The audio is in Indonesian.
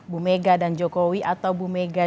bu mega dan jokowi atau bu mega